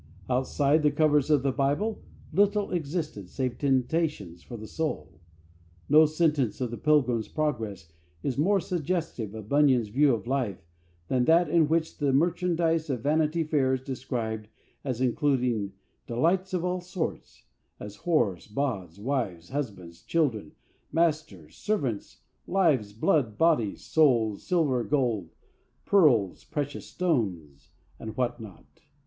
Outside the covers of the Bible, little existed save temptations for the soul. No sentence in The Pilgrim's Progress is more suggestive of Bunyan's view of life than that in which the merchandise of Vanity Fair is described as including "delights of all sorts, as whores, bawds, wives, husbands, children, masters, servants, lives, blood, bodies, souls, silver, gold, pearls, precious stones, and what not."